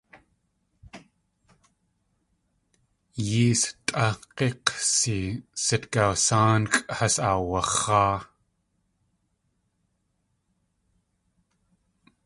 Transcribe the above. Yées tʼá g̲ík̲si sitgawsáanxʼ has aawax̲áa.